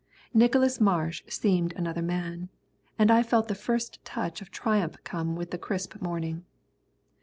Nicholas Marsh seemed another man, and I felt the first touch of triumph come with the crisp morning.